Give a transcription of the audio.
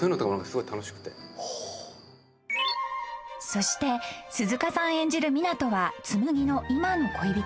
［そして鈴鹿さん演じる湊斗は紬の今の恋人］